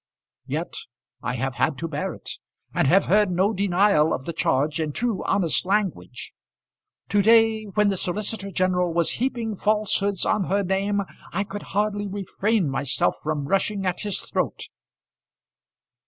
Yet I have had to bear it, and have heard no denial of the charge in true honest language. To day, when the solicitor general was heaping falsehoods on her name, I could hardly refrain myself from rushing at his throat.